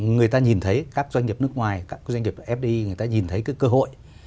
người ta nhìn thấy các doanh nghiệp nước ngoài các doanh nghiệp fdi người ta nhìn thấy cái cơ hội